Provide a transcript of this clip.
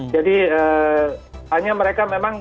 jadi hanya mereka memang